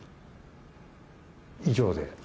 以上で。